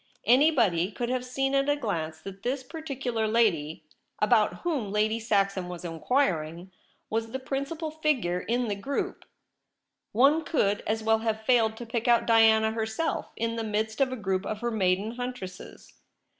Anybody could, have seen at a glance that this par ticular lady about whom Lady Saxon was IN THE LOBBY. inquiring was the principal figure in the group ; one could as well have failed to pick out Diana herself in the midst of a group of her maiden huntresses.